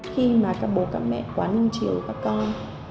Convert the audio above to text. khi mà các bố các mẹ quá ninh chiều với các con